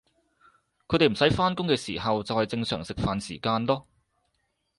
佢哋唔使返工嘅时候就係正常食飯時間囉